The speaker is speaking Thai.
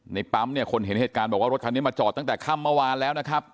ในปั๊มเนี่ยคนเห็นเหตุการณ์บอกว่ารถคันนี้มาจอดตั้งแต่ค่ำเมื่อวานแล้วนะครับ